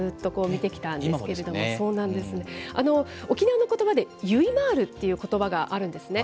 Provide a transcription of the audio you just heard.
沖縄のことばで、ゆいまーるということばがあるんですね。